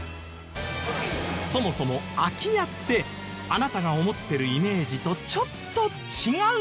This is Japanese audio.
そもそも空き家ってあなたが思ってるイメージとちょっと違うかも？